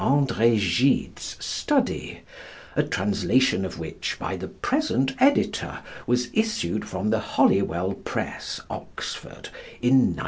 André Gide's "Study," a translation of which, by the present editor, was issued from the Holywell Press, Oxford, in 1905.